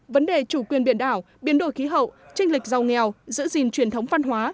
vấn đề chủ quyền biển đảo biến đổi khí hậu tranh lịch giàu nghèo giữ gìn truyền thống văn hóa